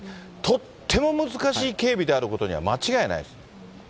とっても難しい警備であることには間違いないです。